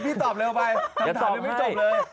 พี่ตอบเร็วไปทำถามไม่สมเลย